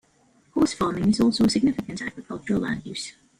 Horse farming is also a significant agricultural land use.